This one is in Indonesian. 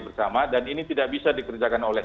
bersama dan ini tidak bisa dikerjakan oleh